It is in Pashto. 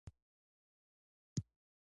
په ایران کې نور پاڅونونه هم ترسره شول.